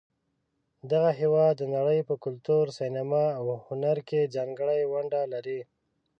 دغه هېواد د نړۍ په کلتور، سینما، او هنر کې ځانګړې ونډه لري.